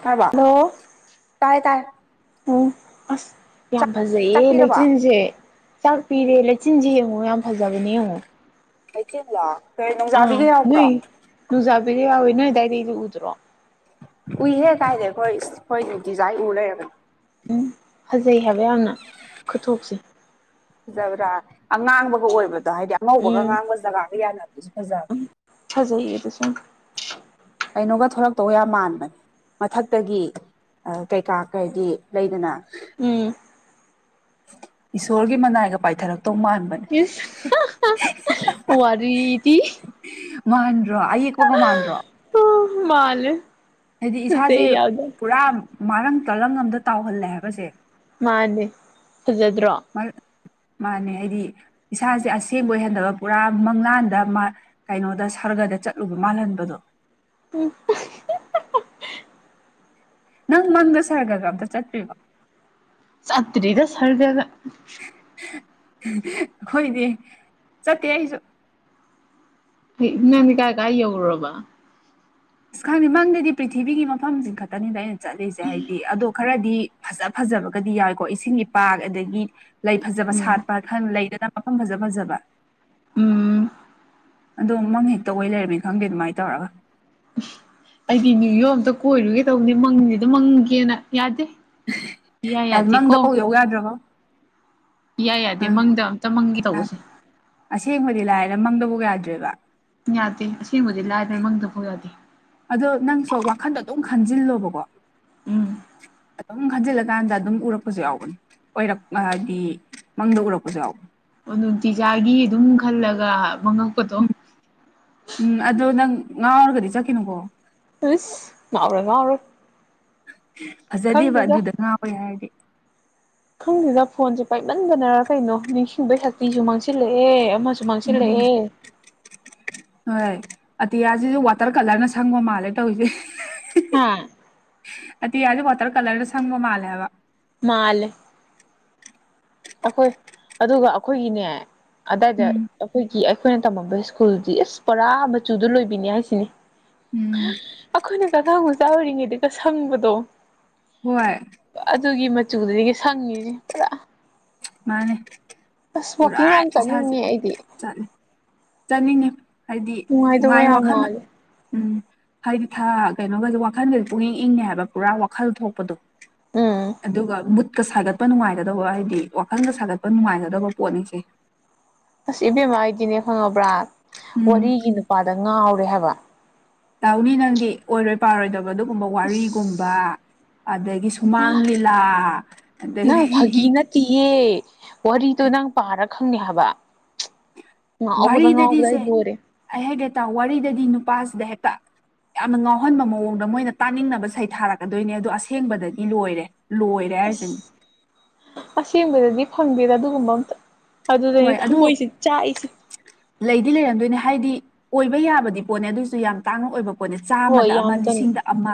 ꯊꯥꯔꯕ hello ꯇꯥꯏ ꯇꯥꯏ ꯎꯝ ꯑꯁ ꯌꯥꯝ ꯐꯖꯩꯌꯦ ꯆꯥꯛꯄꯤꯔꯕꯣ ꯂꯩꯆꯤꯟꯁꯦ ꯆꯥꯛ ꯎꯝ ꯄꯤꯔꯦ ꯂꯩꯆꯤꯟꯁꯦ ꯌꯦꯡꯉꯣ ꯌꯥꯝ ꯐꯖꯕꯅꯦ ꯌꯦꯡꯉꯣ ꯂꯩꯆꯤꯟꯂꯣ ꯑ ꯅꯣꯏ ꯅꯨꯡꯖꯥꯕꯤꯒꯥ ꯌꯥꯎꯏ ꯅꯣꯏ ꯑꯗꯨꯋꯥꯏꯗꯩꯩꯗꯤ ꯎꯗ꯭ꯔꯣ ꯎꯏꯍꯦ ꯀꯥꯏꯗꯦ ꯑꯩꯈꯣꯏ ꯏꯁ ꯑꯩꯈꯣꯏ ꯅꯨꯡꯇꯤꯖꯥꯏ ꯎꯔ ꯂꯩꯔꯕꯅꯤ ꯎꯝ ꯐꯖꯩ ꯍꯥꯏꯕ ꯌꯥꯝꯅ ꯈꯨꯊꯣꯛꯁꯦ ꯐꯖꯕ꯭ꯔꯥ ꯑꯉꯥꯡꯕꯒ ꯑꯣꯏꯕꯗꯣ ꯍꯥꯏꯗꯤ ꯑꯉꯧꯕꯒ ꯎꯝ ꯑꯉꯥꯡꯕ ꯖꯒꯥꯒ ꯌꯥꯅꯕꯗꯨꯁꯨ ꯐꯖꯕꯅꯦ ꯐꯖꯩꯌꯦ ꯑꯗꯨ ꯁꯨꯝ ꯀꯩꯅꯣꯒ ꯊꯣꯛꯂꯛꯇꯧꯒ ꯌꯥꯝ ꯃꯥꯟꯕꯅꯦ ꯃꯊꯛꯇꯒꯤ ꯑ ꯀꯩꯀꯥ ꯀꯩꯒꯤ ꯂꯩꯗꯅ ꯎꯝ ꯏꯁꯣꯔꯒꯤ ꯃꯅꯥꯏꯒ ꯄꯥꯏꯊꯔꯛꯇꯧ ꯃꯥꯟꯕꯅꯤ ꯢꯁ [unintelligible] ꯋꯥꯔꯤꯗꯤ ꯃꯥꯥꯟ꯭ꯗꯔꯣ ꯑꯩꯌꯦꯛꯄꯒ ꯃꯥꯥꯟ꯭ꯗꯔꯣ [unintelligible] ꯃꯥꯜꯂꯦ ꯍꯥꯏꯗꯤ ꯏꯁꯥꯁꯦ ꯐꯖꯩ ꯌꯥꯝꯅ ꯄꯨꯔꯥ ꯃꯔꯪ ꯇꯥꯂꯪ ꯑꯝꯗ ꯇꯥꯎꯍꯜꯂꯦ ꯍꯥꯏꯕꯁꯦ ꯃꯥꯅꯦ ꯐꯖꯗ꯭ꯔꯣ ꯃꯂꯥ ꯃꯥꯅꯦ ꯍꯥꯏꯗꯤ ꯏꯁꯥꯁꯦ ꯑꯁꯦꯡꯕ ꯑꯣꯏꯍꯟꯗꯕ ꯄꯨꯔꯥ ꯃꯪꯂꯥꯥꯟꯗ ꯃꯥ ꯀꯩꯅꯣꯗ ꯁꯔ꯭ꯒꯗ ꯆꯠꯂꯨꯕ ꯃꯥꯜꯍꯟꯕꯗꯣ ꯎꯝ ꯅꯪ ꯃꯪꯗ ꯁꯒ꯭ꯔꯒ ꯑꯝꯇ ꯆꯠꯇ꯭ꯔꯤꯕꯣ ꯆꯠꯇ꯭ꯔꯤꯗ ꯁꯒ꯭ꯔꯒ ꯍꯣꯏꯅꯦ ꯆꯠꯇꯦ ꯑꯩꯁꯨ ꯅꯪꯗꯤ ꯀꯥꯏ ꯀꯥꯏ ꯌꯧꯔꯨꯔꯕ ꯑꯁ ꯈꯪꯗꯦ ꯃꯪꯗꯗꯤ ꯄ꯭ꯔꯤꯊꯤꯕꯤꯒꯤ ꯃꯐꯝꯁꯤꯡ ꯈꯛꯇꯅꯤꯗ ꯑꯩꯅ ꯆꯠꯂꯤꯁꯦ ꯍꯥꯏꯗꯤ ꯑꯗꯣ ꯈꯔꯗꯤ ꯐꯖ ꯐꯖꯕꯒꯗꯤ ꯌꯥꯎꯏꯀꯣ ꯏꯁꯤꯡꯒꯤ ꯄꯥꯛ ꯑꯗꯒꯤ ꯂꯩ ꯐꯖꯕ ꯎꯝ ꯁꯥꯠꯄꯥ ꯈꯜ ꯂꯩꯗꯨꯅ ꯃꯐꯝ ꯐꯖ ꯐꯖꯕ ꯎꯝ ꯑꯗꯣ ꯃꯪ ꯍꯦꯛꯇ ꯑꯣꯏ ꯂꯩꯔꯝꯅꯤ ꯈꯪꯗꯦ ꯑꯗꯨꯃꯥꯏꯅ ꯇꯧꯔꯒ ꯑꯩꯗꯤ ꯅꯤꯌꯣꯛ ꯑꯝꯇ ꯀꯣꯏꯔꯨꯒꯦ ꯇꯧꯕꯅꯤ ꯃꯪꯖꯦ ꯑꯝꯇ ꯃꯪꯒꯦꯅ ꯌꯥꯗꯦ ꯏꯌꯥ ꯌꯥꯗꯦꯀꯣ ꯃꯪꯗꯐꯥꯎ ꯌꯥꯗ꯭ꯔꯕꯣ ꯏꯌꯥ ꯌꯥꯗꯦ ꯃꯪꯗ ꯑꯝꯇ ꯃꯪꯒꯦ ꯇꯧꯕꯁꯦ ꯑꯁꯦꯡꯕꯗꯤ ꯂꯥꯏꯔꯗꯅ ꯃꯪꯗꯐꯥꯎ ꯌꯥꯗ꯭ꯔꯦꯕ ꯌꯥꯗꯦ ꯑꯁꯦꯡꯕꯗꯤ ꯂꯥꯏꯔꯗꯅ ꯃꯪꯗꯐꯥꯎ ꯌꯥꯗꯦ ꯑꯗꯣ ꯅꯪꯁꯨ ꯋꯥꯈꯟꯗ ꯑꯗꯨꯝ ꯈꯟꯖꯤꯜꯂꯣꯕꯀꯣ ꯎꯝ ꯑꯗꯨꯝ ꯈꯟꯖꯤꯜꯂꯀꯥꯟꯗ ꯑꯗꯨꯝ ꯎꯔꯛꯄꯁꯨ ꯌꯥꯎꯕꯅꯤ ꯑꯣꯏꯔꯛ ꯍꯥꯏꯗꯤ ꯃꯪꯗ ꯎꯔꯛꯄꯁꯨ ꯌꯥꯎ ꯑꯣ ꯅꯨꯡꯇꯤꯖꯥꯢꯒꯤ ꯑꯗꯨꯝ ꯈꯜꯂꯒ ꯃꯪꯉꯛꯄꯗꯣ ꯎꯝ ꯑꯗꯣ ꯅꯪ ꯉꯥꯎꯔꯒꯗꯤ ꯆꯠꯈꯤꯅꯨꯀꯣ ꯍꯩꯁ ꯉꯥꯎꯔꯣꯏ ꯉꯥꯎꯔꯣꯏ ꯐꯖꯗꯦꯕ ꯑꯗꯨꯗ ꯉꯥꯎꯋꯦ ꯍꯥꯏꯔꯗꯤ ꯈꯪꯗꯦꯗ ꯐꯣꯟꯁꯦ ꯄꯥꯏꯃꯟꯕꯅꯔ ꯀꯩꯅꯣ ꯅꯤꯡꯁꯤꯡꯕꯩ ꯁꯛꯇꯤꯁꯨ ꯃꯥꯡꯁꯤꯜꯂꯛꯑꯦ ꯑꯃꯁꯨ ꯎꯝ ꯃꯥꯡꯁꯤꯜꯂꯛꯑꯦ ꯍꯣꯏ ꯑꯇꯤꯌꯥꯁꯤꯁꯨ ꯋꯥꯇꯔ ꯀꯂꯔꯅ ꯁꯪꯕ ꯃꯥꯜꯂꯦ ꯇꯧꯔꯤꯁꯦ ꯍꯥ ꯑꯇꯤꯌꯥꯁꯦ ꯋꯥꯇꯔ ꯀꯂꯔꯗ ꯁꯪꯕ ꯃꯥꯜꯂꯦ ꯍꯥꯏꯕ ꯃꯥꯜꯂꯦ ꯑꯩꯈꯣꯏ ꯑꯗꯨꯒ ꯑꯩꯈꯣꯏꯒꯤꯅꯦ ꯑꯗꯥꯏꯗ ꯎꯝ ꯑꯩꯈꯣꯏ ꯒꯤ ꯑꯩꯈꯣꯏꯅ ꯇꯝꯃꯝꯕ ꯁ꯭ꯀꯨꯜꯗꯤ ꯄꯨꯔꯥ ꯃꯆꯨꯗꯨ ꯂꯣꯏꯕꯤꯅꯤ ꯍꯥꯏꯁꯤꯅꯤ ꯎꯝ ꯑꯩꯈꯣꯏꯅꯀ ꯑꯉꯥꯡ ꯃꯆꯥ ꯑꯣꯏꯔꯤꯉꯩꯗꯀ ꯁꯪꯕꯗꯣ ꯍꯣꯏ ꯑꯗꯨꯒꯤ ꯃꯆꯨꯗꯨꯗꯒꯤ ꯁꯪꯉꯤꯁꯤ ꯄꯨꯔꯥ ꯃꯥꯅꯦ ꯑꯁ ꯄꯨꯔꯥ ꯋꯥꯛꯀꯤꯡ ꯌꯥꯝ ꯏꯁꯥꯥꯁꯦ ꯆꯠꯅꯤꯡꯉꯦ ꯑꯩꯗꯤ ꯆꯠꯂꯦ ꯆꯠꯅꯤꯡꯉꯤ ꯑꯩꯗꯤ ꯅꯨꯡꯉꯥꯏꯗꯧꯕ ꯅꯨꯡꯉꯥꯏ ꯌꯥꯝ ꯋꯥꯈꯜꯅ ꯃꯥꯜꯂꯦ ꯎꯝ ꯍꯥꯏꯗꯤ ꯊꯥ ꯀꯩꯅꯣꯒꯁꯨ ꯋꯥꯈꯜꯒꯁꯨ ꯄꯨꯛꯏꯪ ꯏꯪꯅꯤ ꯍꯥꯏꯕ ꯄꯨꯔꯥ ꯋꯥꯈꯜ ꯊꯣꯛꯄꯗꯣ ꯎꯝ ꯑꯗꯨꯒ ꯃꯨꯠ ꯀ ꯁꯥꯒꯠꯄ ꯅꯨꯡꯉꯥꯏꯒꯗꯕ ꯍꯥꯏꯗꯤ ꯋꯥꯈꯜꯒ ꯁꯥꯒꯠꯄ ꯅꯨꯡꯉꯥꯏꯒꯗꯕ ꯄꯣꯠꯅꯤꯁꯤ ꯑꯁ ꯏꯕꯦꯝꯃ ꯑꯩꯗꯤꯅꯦ ꯈꯪꯉꯕ꯭ꯔꯥ ꯎꯝ ꯋꯥꯔꯤꯒꯤ ꯅꯨꯄꯥꯗ ꯉꯥꯎꯔꯦ ꯍꯥꯏꯕ ꯇꯧꯅꯤ ꯅꯪꯗꯤ ꯑꯣꯏꯔꯣꯏ ꯄꯥꯔꯣꯏꯗꯕ ꯑꯗꯨꯒꯨꯝꯕ ꯋꯥꯔꯤꯒꯨꯝꯕ ꯑꯁ ꯑꯗꯒꯤ ꯁꯨꯃꯥꯡ ꯂꯤꯂꯥ ꯑꯗꯒꯤ ꯇꯤꯌꯦ ꯋꯥꯔꯤꯗꯣ ꯅꯪ ꯄꯥꯔ ꯈꯪꯅꯤ ꯍꯥꯏꯕ ꯉꯥꯎꯕꯗ ꯉꯥꯎꯕꯗ ꯋꯥꯔꯤꯗꯗꯤꯁꯦ ꯑꯩ ꯂꯣꯏꯔꯦ ꯑꯩ ꯍꯥꯏꯒꯦ ꯇꯥꯎ ꯋꯥꯔꯤꯗꯗꯤ ꯅꯨꯄꯥꯁꯤꯗ ꯍꯦꯛꯇ ꯌꯥꯝꯅ ꯉꯥꯎꯍꯟꯕ ꯃꯑꯣꯡꯗ ꯃꯣꯢꯅ ꯇꯥꯅꯤꯡꯅꯕ ꯁꯩꯊꯥꯔꯛꯀꯗꯣꯢꯅꯦ ꯑꯗꯣ ꯑꯁꯦꯡꯕꯗꯗꯤ ꯂꯣꯢꯔꯦ ꯂꯣꯢ ꯑꯁ ꯑꯁꯦꯡꯕꯗꯗꯤ ꯐꯪꯗꯦꯗꯥ ꯑꯗꯨꯒꯨꯝꯕ ꯑꯝꯇ ꯑꯗꯨꯗꯅꯤ ꯍꯣꯏ ꯑꯗꯣ ꯊꯃꯣꯢꯁꯦ ꯆꯥꯛꯏꯁꯤ ꯂꯩꯗꯤ ꯂꯩꯔꯝꯗꯣꯢꯅꯦ ꯍꯥꯢꯗꯤ ꯑꯣꯢꯕ ꯌꯥꯕꯗꯤ ꯄꯣꯠꯅꯦ ꯑꯗꯨꯑꯣꯢꯁꯨ ꯌꯥꯝ ꯇꯥꯡꯅ ꯑꯣꯢꯕ ꯄꯣꯠꯅꯦ ꯆꯥꯝꯃꯗ ꯍꯣꯏ ꯌꯥꯝ ꯑꯃ ꯆꯝꯃꯦ ꯂꯤꯁꯤꯡꯗ ꯑꯃ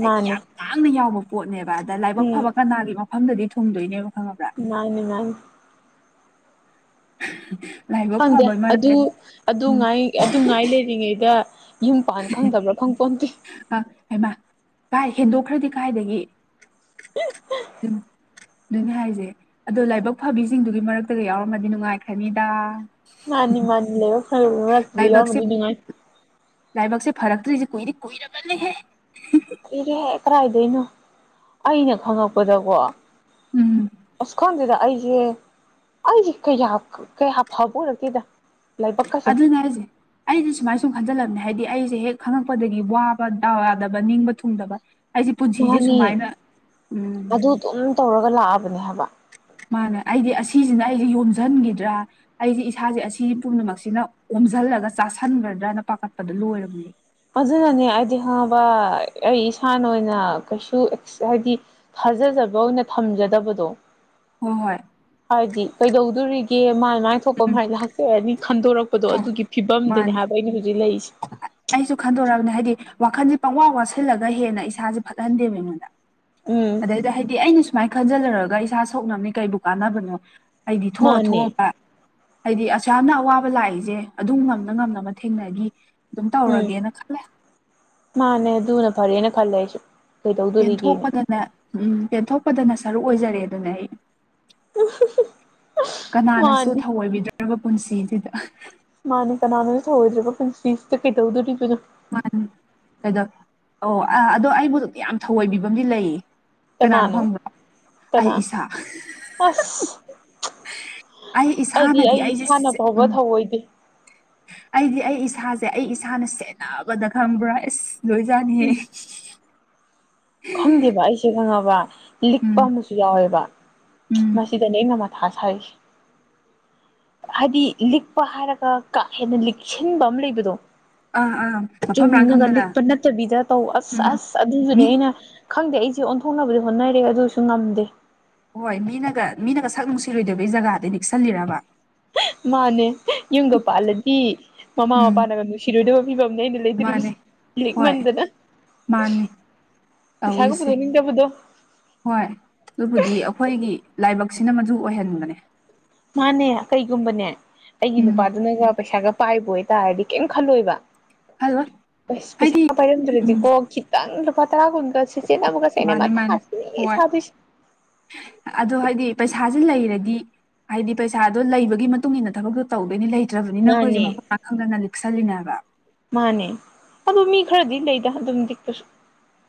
ꯍꯥꯢꯗꯤ ꯃꯥꯅꯦ ꯌꯥꯝ ꯇꯥꯡꯅ ꯌꯥꯎꯕ ꯄꯣꯠꯅꯦꯕ ꯑꯗ ꯂꯥꯢꯕꯛ ꯎꯝ ꯐꯕ ꯀꯅꯥꯒꯤ ꯃꯐꯝꯗꯗꯤ ꯊꯨꯡꯗꯨꯢꯅꯦꯕ ꯈꯪꯉꯕ꯭ꯔꯥ ꯃꯥꯢꯅꯤ ꯃꯥꯢꯅꯤ [unintelligible] ꯐꯪꯗꯦ ꯐꯕꯩ ꯑꯗꯨ ꯃꯔꯛꯇ ꯎꯝ ꯑꯗꯨꯉꯥꯢ ꯑꯗꯨꯉꯥꯢ ꯂꯩꯔꯤꯉꯩꯗ ꯌꯨꯝ ꯄꯥꯟ ꯈꯪꯗꯕ꯭ꯔꯥ ꯈꯪ ꯄꯣꯟꯇꯦ ꯑ ꯑꯦꯃꯥ ꯀꯥꯢ ꯍꯦꯟꯗꯣꯛꯈ꯭ꯔꯗꯤ ꯀꯥꯢꯗꯒꯤ ꯑꯗꯨꯅꯤ ꯍꯥꯢꯖꯦ ꯑꯗꯣ ꯂꯥꯢꯕꯛ ꯐꯕꯤꯖꯤꯡꯗꯨꯒꯤ ꯃꯔꯛꯇꯒ ꯌꯥꯎꯔꯝꯃꯗꯤ ꯅꯨꯡꯉꯥꯢꯈ꯭ꯔꯅꯤꯗ ꯃꯥꯅꯤ ꯃꯥꯥꯅꯤ ꯂꯥꯢꯕꯛ ꯐꯔ ꯃꯔꯛꯇꯨꯗ ꯌꯥꯎꯃꯗꯤ ꯗꯨꯉꯥꯢ ꯂꯥꯢꯕꯛꯁꯦ ꯐꯔꯛꯇ꯭ꯔꯤꯖꯦ ꯀꯨꯢꯗꯤ ꯀꯨꯢꯔꯕꯅꯤꯍꯦ ꯏꯗꯦꯍꯦ ꯀꯔꯥꯢꯗꯩꯅꯣ ꯑꯩꯅ ꯈꯪꯉꯛꯄꯗꯀꯣ ꯎꯝ ꯑꯁ ꯈꯪꯗꯦꯗ ꯑꯩꯁꯦ ꯑꯩꯖꯦ ꯀꯌꯥ ꯀꯌꯥ ꯐꯕ ꯑꯣꯢꯔꯛꯇꯦꯗ ꯑꯗꯨꯅꯦ ꯍꯥꯢꯖꯦ ꯑꯩꯗꯤ ꯁꯨꯃꯥꯢ ꯁꯨꯝ ꯈꯟꯖꯜꯂꯕꯅꯦ ꯍꯥꯢꯗꯤ ꯑꯩꯖꯦ ꯍꯦꯛ ꯈꯪꯉꯛꯄꯗꯒꯤ ꯋꯥꯕ ꯗꯥꯎ ꯌꯥꯗꯕ ꯅꯤꯡꯕ ꯊꯨꯡꯗꯕ ꯑꯩꯁꯦ ꯄꯨꯟꯁꯤꯁꯦ ꯃꯥꯅꯦ ꯁꯨꯃꯥꯏꯅ ꯎꯝ ꯑꯗꯨ ꯑꯗꯨꯝ ꯇꯧꯔꯒ ꯂꯥꯛꯑꯕꯅꯦ ꯍꯥꯢꯕ ꯃꯥꯅ ꯑꯩꯗꯤ ꯑꯁꯤꯖꯤꯅ ꯑꯩꯗꯤ ꯌꯣꯝꯖꯟꯒꯤꯗ꯭ꯔꯥ ꯑꯩꯖꯦ ꯏꯁꯥꯖꯦ ꯑꯁꯤ ꯄꯨꯝꯅꯃꯛꯁꯤꯅ ꯑꯣꯝꯖꯜꯂꯒ ꯆꯥꯁꯟꯒ꯭ꯔꯗ꯭ꯔꯅ ꯄꯥꯈꯠꯄꯗ ꯂꯣꯢꯔꯕꯅꯤ ꯑꯩ ꯑꯗꯨꯅꯅꯦ ꯑꯩꯗꯤ ꯍꯪꯑꯕ ꯑꯩ ꯏꯁꯥꯅ ꯑꯣꯢꯅ ꯀꯩꯁꯨ ꯍꯥꯢꯗꯤ ꯊꯥꯖꯖꯕ ꯑꯣꯢꯅ ꯊꯝꯖꯗꯕꯗꯣ ꯍꯣ ꯍꯣꯢ ꯍꯥꯢꯗꯤ ꯀꯩꯗꯧꯗꯨꯔꯤꯒꯦ ꯃꯥꯢ ꯃꯥꯢ ꯊꯣꯛꯄ ꯎꯝ ꯃꯥꯢ ꯂꯥꯛꯆꯔꯅꯤ ꯈꯟꯗꯣꯔꯛ ꯑꯗꯣ ꯑꯗꯨꯒꯤ ꯐꯤꯕꯝꯗꯅꯦ ꯃꯥꯅꯦ ꯍꯥꯢꯕ ꯑꯩꯅ ꯍꯧꯖꯤꯛ ꯂꯩꯔꯤꯁꯤ ꯑꯩꯁꯨ ꯈꯟꯗꯣꯔꯑꯕꯅꯦ ꯍꯥꯢꯗꯤ ꯋꯥꯈꯟꯖꯦ ꯄꯪꯋꯥ ꯋꯥꯁꯤꯜꯂꯒ ꯍꯦꯟꯅ ꯏꯁꯥꯖꯦ ꯐꯠꯍꯟꯗꯦꯕ ꯑꯩꯉꯣꯟꯗ ꯎꯝ ꯗꯨꯗ ꯍꯥꯢꯗꯤ ꯑꯩꯅ ꯁꯨꯃꯥꯢ ꯈꯟꯖꯜꯂꯔꯒ ꯏꯁꯥ ꯁꯣꯛꯅꯕꯅꯦ ꯀꯩꯕꯨ ꯀꯥꯟꯅꯕꯅꯣ ꯑꯩꯗꯤ ꯊꯣꯛꯑ ꯃꯥꯅꯦ ꯊꯣꯛꯑꯕ ꯍꯥꯢꯗꯤ ꯑꯁꯨꯌꯥꯝꯅ ꯑꯋꯥꯕ ꯂꯥꯛꯏꯖꯦ ꯑꯗꯨꯝ ꯉꯝꯅ ꯉꯝꯅꯕ ꯊꯦꯡꯅꯈꯤ ꯑꯗꯨꯝ ꯎꯝ ꯇꯧꯔꯒꯦꯅ ꯈꯜꯂꯦ ꯃꯥꯅꯦ ꯑꯗꯨꯅ ꯐꯔꯦꯅ ꯈꯜꯂꯦ ꯑꯩꯁꯨ ꯀꯩꯗꯧꯗꯣꯔꯤꯒꯦꯅ ꯄꯦꯟꯊꯣꯛꯄꯗꯅ ꯎꯝ ꯄꯦꯟꯊꯣꯛꯄꯗꯅ ꯁꯔꯨꯛ ꯑꯣꯢꯖꯔꯦ ꯑꯗꯨꯅꯦ ꯑꯩ ꯀꯅꯥꯅꯁꯨ ꯃꯥꯅꯤ ꯊꯧꯑꯣꯢꯕꯤꯗ꯭ꯔꯕ ꯄꯨꯟꯁꯤꯖꯤꯗ ꯃꯥꯅꯦ ꯀꯅꯥꯅꯖꯨ ꯊꯧꯑꯣꯢꯗ꯭ꯔꯕ ꯄꯨꯟꯁꯤꯖꯤꯗ ꯀꯩꯗꯧꯗꯨꯔꯤꯕꯅꯣ ꯃꯥ ꯑꯗꯨꯝ ꯀꯩꯗꯧ ꯑꯣ ꯑ ꯑꯗꯣ ꯑꯩꯕꯨꯗ ꯌꯥꯝ ꯊꯑꯣꯢꯕꯤꯕꯝ ꯃꯤ ꯂꯩꯌꯦ ꯀꯅꯥꯅꯣ ꯈꯪꯕ꯭ꯔꯣ ꯑꯩ ꯀꯅꯥ ꯏꯁꯥ ꯑꯁ ꯑꯩ ꯑꯩꯗꯤ ꯏꯁꯥꯅꯗꯤ ꯑꯩ ꯑꯩꯖꯦ ꯏꯁꯥꯅ ꯁꯤ ꯎꯝ ꯐꯥꯎꯕ ꯊꯧꯑꯣꯏꯗꯦ ꯑꯩꯗꯤ ꯑꯩ ꯏꯁꯥꯖꯦ ꯑꯩ ꯏꯁꯥꯅ ꯁꯦꯅꯕꯗ ꯈꯪꯕ꯭ꯔꯥ ꯑꯦꯁ ꯂꯣꯢꯖꯅꯤꯍꯦ ꯈꯪꯗꯦꯕ ꯑꯩꯁꯦ ꯈꯪꯉꯕ ꯂꯤꯛꯄ ꯎꯝ ꯑꯃꯁꯨ ꯌꯥꯎꯋꯦꯕ ꯎꯝ ꯃꯁꯤꯗꯅꯦ ꯑꯩꯅ ꯃꯥ [unintelligible] ꯍꯥꯏꯗꯤ ꯂꯤꯛꯄ ꯍꯥꯏꯔꯒ ꯀꯥ ꯍꯦꯟꯅ ꯂꯤꯛꯁꯤꯟꯕ ꯑꯃ ꯂꯩꯕꯗꯣ ꯑꯥ ꯑꯥ ꯃꯐꯝ ꯂꯥꯡ ꯆꯨꯝꯅꯒ ꯈꯪꯗꯅ ꯂꯤꯛꯄ ꯅꯠꯇꯕꯤꯗ ꯇꯧ ꯑꯁ ꯎꯝ ꯑꯁ ꯑꯗꯨꯗꯨꯅꯦ ꯃꯤ ꯑꯩꯅ ꯈꯪꯗꯦ ꯑꯩꯁꯦ ꯑꯣꯟꯊꯣꯛꯅꯕꯗꯤ ꯍꯣꯠꯅꯔꯤ ꯑꯗꯨꯁꯨ ꯉꯝꯗꯦ ꯍꯣꯏ ꯃꯤꯅꯒ ꯃꯤꯅꯒ ꯁꯛ ꯅꯨꯡꯁꯤꯔꯣꯏꯗꯣꯏꯕꯒꯤ ꯖꯒꯥꯗ ꯂꯤꯛꯁꯜꯂꯤꯔꯕ ꯃꯥꯅꯦ ꯌꯨꯝꯒ ꯄꯥꯜꯂꯗꯤ ꯃꯃꯥ ꯎꯝ ꯃꯄꯥꯅꯒ ꯅꯨꯡꯁꯤꯔꯣꯏꯗ ꯐꯤꯕꯝꯅꯦ ꯑꯩꯅ [unintelligible] ꯁꯦ ꯃꯥꯅꯦ ꯍꯣꯏ ꯂꯤꯛꯃꯟꯗꯅ ꯃꯥꯅꯤ ꯄꯩꯁꯥꯒ ꯇꯧꯔꯤꯁꯦ ꯄꯨꯊꯣꯛꯅꯤꯡꯗꯕꯗꯣ ꯍꯣꯏ ꯑꯗꯨꯕꯨꯗꯤ ꯑꯈꯣꯏꯒꯤ ꯂꯥꯏꯕꯛꯁꯤꯅ ꯃꯗꯨ ꯑꯣꯏꯍꯟꯕꯅꯦ ꯃꯥꯅꯦ ꯀꯩꯒꯨꯝꯕꯅꯦ ꯑꯩꯒꯤ ꯎꯝ ꯅꯨꯄꯥꯗꯨꯅꯒ ꯄꯩꯁꯥꯒ ꯄꯥꯏꯕ ꯑꯣꯏꯇꯥꯔꯗꯤ ꯀꯩꯝ ꯈꯜꯂꯣꯏꯕ ꯈꯜꯂꯣꯏ ꯍꯥꯏꯗꯤ ꯄꯩꯁꯥ ꯎꯝ ꯄꯥꯏꯔꯝꯗ꯭ꯔꯗꯤꯀꯣ ꯈꯤꯇꯪ ꯂꯨꯄꯥ ꯇꯔꯥ ꯀꯨꯟꯒ [unintelligible] ꯃꯥꯅꯦ ꯃꯥꯅꯦ ꯑꯩꯅꯊꯤ ꯍꯣꯏ ꯁꯥꯗꯣꯏꯁꯦ ꯑꯗꯣ ꯍꯥꯏꯗꯤ ꯄꯩꯁꯥꯁꯦ ꯂꯩꯔꯗꯤ ꯍꯥꯏꯗꯤ ꯄꯩꯁꯥꯗꯣ ꯂꯩꯕꯒꯤ ꯃꯇꯨꯡ ꯏꯟꯅ ꯊꯕꯛꯇ ꯇꯧꯗꯣꯏꯅꯤ ꯂꯩꯇ꯭ꯔꯕꯅꯤꯅ ꯑꯈꯣꯏꯁꯦ ꯃꯥꯅꯦ ꯃꯐꯝ ꯃꯔꯥꯡ ꯈꯪꯗꯅ ꯂꯤꯛꯁꯜꯂꯤꯅꯦ ꯍꯥꯏꯕ ꯃꯥꯅꯦ ꯑꯗꯨ ꯃꯤ ꯈꯔꯗꯤ ꯂꯩꯗ ꯑꯗꯨꯝ ꯂꯤꯛꯄꯁꯨ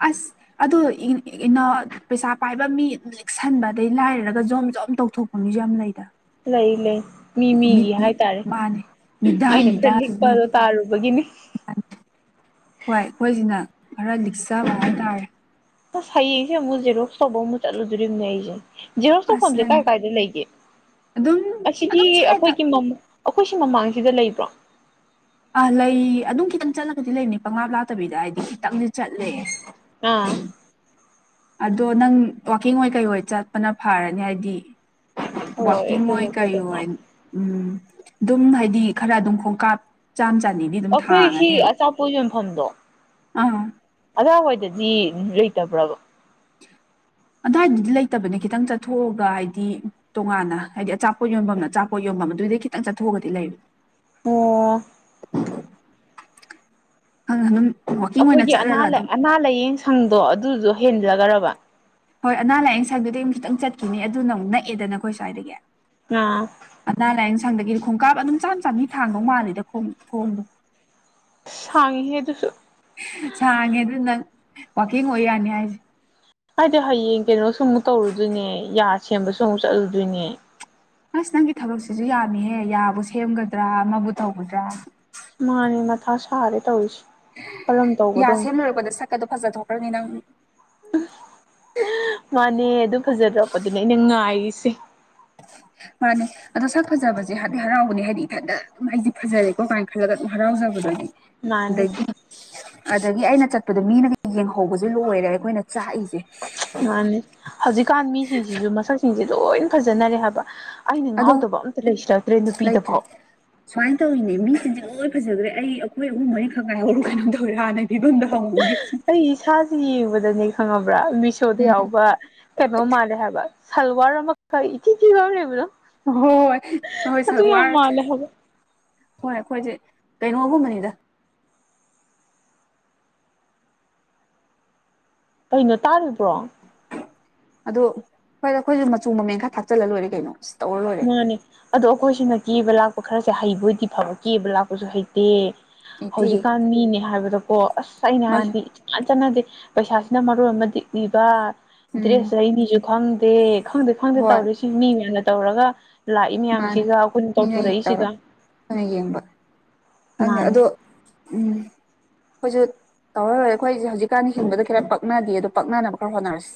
ꯑꯁ ꯑꯗꯨ ꯏ ꯏꯅꯣꯠ ꯄꯩꯁꯥ ꯄꯥꯏꯕ ꯃꯤ ꯑꯗꯨ ꯂꯤꯛꯁꯟꯕ ꯑꯗꯩ ꯂꯥꯏꯔꯔꯒ ꯖꯣꯝ ꯖꯣꯝ ꯇꯧꯊꯣꯛꯄ ꯃꯤꯁꯨ ꯌꯥꯝ ꯂꯩꯗ ꯂꯩ ꯂꯩ ꯃꯤ ꯃꯤꯒꯤ ꯃꯤ ꯍꯥꯏꯇꯥꯔꯦ ꯃꯥꯅꯦ ꯃꯤꯗꯥ ꯑꯩꯅ ꯈꯔ ꯃꯤꯗꯥꯗꯨꯒꯤ ꯂꯤꯛꯄꯗꯣ ꯇꯥꯔꯨꯕꯒꯤꯅꯤ ꯍꯣꯏ ꯑꯈꯣꯏꯁꯤꯅ ꯈꯔ ꯂꯤꯛꯆꯕ ꯍꯥꯏꯇꯥꯔꯦ ꯑꯁ ꯍꯥꯌꯦꯡ ꯁꯦ ꯑꯃꯨꯛ ꯖꯦꯔꯣꯛꯁ ꯇꯧꯕ ꯑꯃꯨꯛ ꯆꯠꯂꯨꯗꯨꯔꯤꯝꯅꯦ ꯑꯩꯁꯦ ꯖꯦꯔꯣꯁ ꯑꯁ ꯇꯧꯐꯝꯁꯦ ꯅꯪ ꯀꯥꯏ ꯀꯥꯏꯗ ꯂꯩꯒꯦ ꯑꯗꯨꯝ ꯑꯁꯤꯗꯤ ꯑꯗꯨꯝ ꯁ꯭ꯋꯥꯏꯗ ꯑꯈꯣꯏꯒꯤ ꯃꯝ ꯑꯈꯣꯏ ꯁꯤ ꯃꯃꯥꯡꯁꯤꯗ ꯂꯩꯕ꯭ꯔꯣ ꯑꯥ ꯂꯩ ꯑꯗꯨꯝ ꯈꯤꯇꯪ ꯆꯠꯂꯒꯗꯤ ꯂꯩꯝꯅꯤ ꯄꯪꯂꯥꯞ ꯂꯥꯞꯇꯕꯤꯗ ꯍꯥꯏꯗꯤ ꯈꯤꯇꯪꯗꯤ ꯆꯠꯂꯦ ꯎꯝ ꯑꯗꯣ ꯅꯪ ꯋꯥꯛꯀꯤꯡ ꯑꯣꯏ ꯀꯩ ꯑꯣꯏ ꯆꯠꯄꯅ ꯐꯔꯅꯤ ꯍꯥꯏꯗꯤ ꯍꯣꯏ ꯋꯥꯀꯤꯡ ꯑꯣꯏ ꯑꯗꯨꯅ ꯀꯔꯤ ꯐꯗꯧ ꯑꯣꯏ ꯃꯥꯜꯂꯦ ꯎꯝ ꯑꯗꯨꯝ ꯍꯥꯏꯗꯤ ꯈꯔ ꯑꯗꯨꯝ ꯈꯣꯡꯀꯥꯞ ꯆꯥꯝ ꯆꯥꯅꯤ ꯑꯩꯈꯣꯏ ꯁꯤ ꯑꯆꯥꯄꯣꯠ ꯌꯣꯟꯐꯝꯗꯣ ꯑꯥ ꯑꯗꯥꯏ ꯋꯥꯏꯗꯗꯤ ꯂꯩꯇꯕ꯭ꯔꯕ ꯑꯗ꯭ꯋꯥꯏꯗꯗꯤ ꯂꯩꯇꯕꯅꯦ ꯈꯤꯇꯪ ꯆꯠꯊꯣꯛꯑꯒ ꯍꯥꯏꯗꯤ ꯇꯣꯉꯥꯟꯅ ꯍꯥꯏꯗꯤ ꯑꯆꯥꯥꯛꯄꯣꯠ ꯌꯣꯟꯕꯝꯅ ꯑꯆꯥꯥꯛꯄꯣꯠ ꯌꯣꯟꯕꯝ ꯑꯗꯨꯗꯩ ꯈꯤꯇꯪ ꯆꯠꯊꯣꯛꯑꯒꯗꯤ ꯂꯩꯕ ꯑꯣ ꯑ ꯑꯗꯨꯝ ꯋꯥꯛꯀꯤꯡ ꯑꯣꯏꯅ ꯑꯈꯣꯏꯒꯤ ꯑꯅꯥ ꯆꯠꯂꯒ ꯂꯥ ꯑꯗꯨꯝ ꯑꯅꯥ ꯂꯥꯏꯌꯦꯡ ꯁꯪꯗꯣ ꯑꯗꯨꯗꯣ ꯍꯦꯟꯂꯒꯔꯕ ꯍꯣꯏ ꯑꯅꯥ ꯂꯥꯏꯌꯦꯡ ꯁꯪꯗꯨꯗꯤ ꯑꯃꯨꯛ ꯈꯤꯛꯇꯪ ꯆꯠꯈꯤꯅꯤ ꯑꯗꯨꯅ ꯅꯛꯑꯦꯗꯅ ꯑꯃꯨꯛꯑꯦꯗꯅ ꯈꯣꯏ ꯁ꯭ꯋꯥꯏꯗꯒꯤ ꯑꯥ ꯑꯅꯥ ꯂꯥꯏꯌꯦꯡ ꯁꯪꯗꯒꯤꯗꯤ ꯈꯣꯡꯀꯥꯞ ꯑꯗꯨꯝ ꯆꯥꯝ ꯆꯥꯝꯕꯤ ꯊꯥꯡꯗꯧ ꯃꯥꯜꯂꯤꯗ ꯈꯣꯡ ꯈꯣꯡꯗꯣ ꯁꯥꯡꯉꯤꯍꯦ ꯑꯗꯨꯁꯨ ꯁꯥꯡꯉꯦ ꯑꯗꯨ ꯅꯪ ꯋꯥꯀꯤꯡ ꯑꯣꯏ ꯌꯥꯅꯤ ꯍꯥꯏꯁꯦ ꯍꯥꯏꯗꯤ ꯍꯌꯦꯡ ꯀꯩꯅꯣꯁꯨ ꯑꯃꯨꯛ ꯇꯧꯔꯨꯗꯣꯏꯅꯦ ꯌꯥ ꯁꯦꯝꯕꯁꯨ ꯑꯃꯨꯛ ꯆꯠꯂꯨꯗꯣꯏꯅꯦ ꯑꯁ ꯅꯪꯒꯤ ꯊꯕꯛꯁꯤꯁꯨ ꯌꯥꯝꯃꯤꯍꯦ ꯌꯥꯕꯨ ꯁꯦꯝꯒꯗ꯭ꯔꯥ ꯑꯃꯕꯨ ꯇꯧꯒꯗ꯭ꯔꯥ ꯃꯥꯅꯦ ꯃꯊꯥ ꯁꯥꯔꯦ ꯇꯧꯔꯤꯁꯤ ꯌꯥ ꯁꯦꯝ ꯂꯣꯏꯔꯛꯄꯗ ꯁꯛꯀꯗꯣ ꯐꯖꯊꯣꯛꯈ꯭ꯔꯅꯤ ꯅꯪ ꯃꯥꯅꯦ ꯑꯗꯨ ꯐꯖꯗ꯭ꯔꯣꯔꯛꯄ ꯑꯗꯨꯅꯦ ꯑꯩꯅ ꯉꯥꯏꯔꯤꯁꯦ ꯃꯥꯅꯦ ꯑꯗꯣ ꯁꯛ ꯐꯖꯕꯁꯦ ꯍꯥꯗꯤ ꯍꯔꯥꯎꯕꯅꯦ ꯍꯥꯏꯗꯤ ꯏꯊꯟꯇ ꯏꯃꯥ ꯑꯩꯗꯤ ꯐꯖꯔꯦꯀꯣ ꯀꯥꯏꯅ ꯈꯜꯂꯒ ꯑꯗꯨꯝ ꯍꯔꯥꯎꯖꯕꯗꯨꯗꯤ ꯃꯥꯅꯤ ꯑꯗꯒꯤ ꯑꯗꯒꯤ ꯑꯩꯅ ꯆꯠꯄꯗꯣ ꯃꯤꯅ ꯌꯦꯡꯍꯧꯕꯁꯦ ꯂꯣꯏꯔꯦ ꯑꯩꯈꯣꯏꯅ ꯆꯥꯛꯏꯁꯦ ꯃꯥꯅꯤ ꯍꯧꯖꯤꯛꯀꯥꯟ ꯃꯤꯁꯤꯡꯁꯤꯁꯨ ꯃꯁꯛꯁꯤꯡꯁꯦ ꯂꯣꯏ ꯐꯖꯅꯔꯦ ꯍꯥꯏꯕ ꯑꯩꯅ ꯑꯗꯣ ꯉꯥꯎꯗꯕ ꯑꯝꯇ ꯂꯩꯁꯤꯜꯂꯛꯇ꯭ꯔꯦ ꯂꯩꯇ꯭ꯔꯦ ꯅꯨꯄꯤꯗꯐꯥꯎ ꯁꯨꯃꯥꯏꯅ ꯇꯧꯋꯤꯅꯦ ꯃꯤꯁꯤꯡꯁꯦ ꯂꯣꯏ ꯐꯖꯈ꯭ꯔꯦ ꯑꯩ ꯑꯩꯈꯣꯏ ꯑꯍꯨꯝ ꯃꯔꯤꯈꯛ ꯉꯥꯏꯍꯧꯔꯕ ꯀꯩꯅꯣꯝ ꯇꯧꯋꯦ ꯍꯥꯟꯅ ꯐꯤꯕꯝꯗ ꯍꯧꯔꯨꯗ꯭ꯔꯤꯁꯦ ꯑꯩ ꯏꯁꯥꯥꯁꯦ ꯌꯦꯡꯕꯗꯅꯦ ꯈꯪꯉꯕ꯭ꯔꯥ ꯃꯤꯁꯣꯗ ꯎꯝ ꯌꯥꯎꯕ ꯀꯩꯅꯣ ꯃꯥꯜꯂꯦ ꯍꯥꯏꯕ ꯁꯜꯋꯥꯔ ꯑꯃ ꯀꯩ ꯏꯊꯤ ꯊꯤꯕ ꯑꯃ ꯂꯩꯕꯗꯣ ꯍꯣꯏ ꯍꯣꯏ ꯑꯗꯨ ꯌꯥꯝ ꯁꯜꯋꯥꯔ ꯃꯥꯜꯂꯦ ꯍꯥꯏꯕ ꯍꯣꯏ ꯑꯩꯈꯣꯏꯁꯦ ꯀꯩꯅꯣꯒꯨꯝꯕꯅꯤꯗ ꯀꯩꯅꯣ ꯇꯥꯔꯤꯕ꯭ꯔꯣ ꯑꯗꯣ ꯍꯣꯏ ꯑꯩꯈꯣꯏꯁꯨ ꯃꯆꯨ ꯃꯃꯦꯟ ꯈꯔ ꯊꯥꯛꯆꯜꯂ ꯂꯣꯏꯔꯦ ꯀꯩꯅꯣ ꯇꯧꯔ ꯂꯣꯏꯔꯦ ꯃꯥꯅꯦ ꯑꯗꯣ ꯑꯩꯈꯣꯏꯁꯤꯅ ꯀꯦꯕ ꯂꯥꯛꯄ ꯈꯔꯁꯨ ꯍꯩꯕ ꯑꯣꯏꯗꯤ ꯐꯕ ꯀꯦꯕ ꯂꯥꯛꯄꯁꯨ ꯍꯩꯇꯦ ꯑꯩꯠꯇꯤ ꯍꯧꯖꯤꯛꯀꯥꯟ ꯃꯤꯅꯦ ꯍꯥꯏꯕꯗꯀꯣ ꯑꯁ ꯑꯩꯅ ꯃꯥꯅꯦ ꯍꯥꯏꯁꯤꯗꯤ [unintelligible] ꯆꯥꯅꯗꯦ ꯄꯩꯁꯥꯁꯤꯅ ꯃꯔꯣꯜ ꯑꯃ ꯇꯤꯡꯏꯕ ꯎꯝ ꯗ꯭ꯔꯦꯁ ꯂꯩꯅꯦꯁꯨ ꯈꯪꯗꯦ ꯈꯪꯗꯦ ꯈꯪꯗꯦ ꯍꯣꯏ ꯇꯧꯔꯤ ꯁꯤ ꯃꯤ ꯃꯌꯥꯝꯅ ꯇꯧꯔꯒ ꯂꯥꯛꯏ ꯃꯥꯅꯦ ꯃꯌꯥꯝꯁꯤꯒ ꯑꯩꯈꯣꯏꯅ ꯃꯤꯉꯩ ꯇꯧꯔ ꯇꯧꯊꯣꯔꯛꯏꯁꯤꯒ ꯑꯩꯈꯣꯏꯅ ꯌꯦꯡꯕ ꯈꯪꯗꯦ ꯃꯥꯅꯦ ꯑꯗꯣ ꯎꯝ ꯑꯩꯈꯣꯏꯁꯨ ꯇꯧꯔꯔꯣꯏ ꯑꯩꯈꯣꯏꯁꯦ ꯍꯧꯖꯤꯛꯀꯥꯟꯅ ꯍꯤꯡꯕꯗ ꯈꯔ ꯄꯛꯅꯗꯦ ꯑꯗꯣ ꯄꯛꯅꯕ ꯈꯔ ꯍꯣꯠꯅꯔꯁꯤ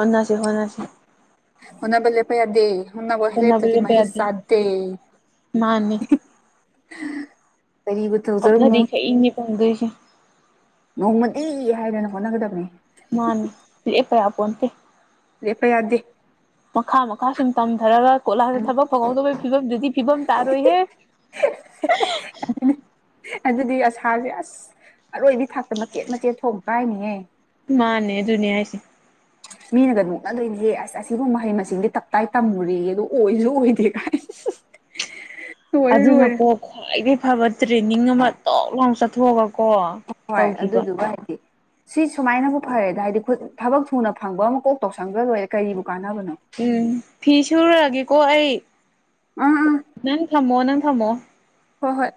ꯍꯣꯠꯅꯁꯤ ꯍꯣꯠꯅꯁꯤ ꯍꯣꯠꯅꯕ ꯂꯦꯞꯄ ꯌꯥꯗꯦ ꯍꯣꯠꯅꯕ ꯂꯦꯞꯇ꯭ꯔꯗꯤ ꯂꯦꯞꯄ ꯃꯍꯩ ꯌꯥꯗꯦ ꯆꯥꯗꯦ ꯃꯥꯅꯤ [unintelligible] [unintelligible] ꯐꯪꯗꯣꯏꯁꯦ ꯅꯣꯡꯃꯗꯤ ꯍꯥꯏꯗꯅ ꯍꯣꯠꯅꯒꯗꯕꯅꯤ ꯃꯥꯅꯦ ꯂꯦꯞꯄ ꯌꯥꯄꯣꯟꯇꯦ ꯂꯦꯞꯄ ꯌꯥꯗꯦ ꯃꯈꯥ ꯃꯈꯥ ꯁꯨꯝ ꯇꯝꯊꯔꯒ ꯀꯣ ꯂꯥꯁꯗ ꯊꯕꯛ ꯐꯪꯍꯧꯗꯕꯒꯤ ꯐꯤꯕꯝꯗꯨꯗꯤ ꯐꯤꯕꯝ ꯇꯥꯔꯣꯏꯍꯦ ꯑꯗꯨꯗꯤ ꯑꯁꯥꯁꯦ ꯑꯁ ꯑꯔꯣꯏꯕꯤ ꯊꯥꯛꯇ ꯃꯆꯦꯠ ꯃꯆꯦꯠ ꯊꯣꯛꯅ ꯀꯥꯏꯅꯤꯍꯦ ꯃꯥꯅꯦ ꯑꯗꯨꯨꯅꯦ ꯍꯥꯏꯁꯦ ꯃꯤꯅꯒ ꯅꯣꯛꯅꯗꯣꯏꯅꯦꯍꯦ ꯑꯁ ꯑꯁꯤꯕꯨ ꯃꯍꯩ ꯃꯁꯤꯡꯗꯤ ꯇꯞꯇꯥꯏ ꯇꯝꯃꯨꯔꯦꯌꯦ ꯑꯗꯨ ꯑꯣꯏꯁꯨ ꯑꯣꯏꯗꯦ ꯀꯥꯏ [unintelligible] ꯂꯣꯏꯔꯦ ꯑꯗꯨꯅꯀꯣ ꯈ꯭ꯋꯥꯏꯗꯒꯤ ꯐꯕ ꯇ꯭ꯔꯦꯟꯅꯤꯡ ꯑꯃ ꯇꯣꯛ ꯂꯥꯎꯅ ꯆꯠꯊꯣꯛꯑꯒ ꯀꯣ ꯍꯣꯏ ꯇꯧꯒꯤꯕ [unintelligible] ꯁꯤ ꯁꯨꯃꯥꯏꯅꯕꯨ ꯐꯔꯦꯗ ꯍꯥꯏꯗꯤ ꯈꯨꯠ ꯊꯕꯛ ꯊꯨꯅ ꯐꯪꯕ ꯑꯃ ꯀꯣꯛ ꯇꯧꯁꯟꯒ꯭ꯔ ꯂꯣꯏꯔꯦ ꯀꯔꯤꯕꯨ ꯀꯥꯟꯅꯕꯅꯣ ꯎꯝ ꯐꯤ ꯁꯨꯔꯨꯔꯒꯦꯀꯣ ꯑꯩ ꯎꯝ ꯎꯝ ꯅꯪ ꯊꯝꯃꯣ ꯅꯪ ꯊꯝꯃꯣ ꯍꯣꯏ ꯍꯣꯏ